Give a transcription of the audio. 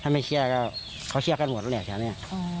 ถ้าไม่เชื่อก็เขาเชื่อกันหมดยังไง